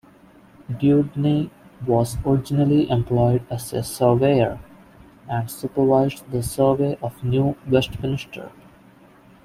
Dewdney was originally employed as a surveyor, and supervised the survey of New Westminster.